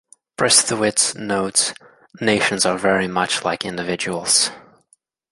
Prestowitz notes, Nations are very much like individuals.